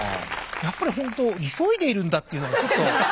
やっぱりほんと急いでいるんだっていうのがちょっと。